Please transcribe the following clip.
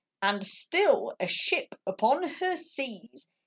And still, a ship upon her seas.